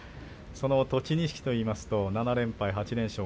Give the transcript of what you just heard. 栃錦といいますと７連敗８連勝と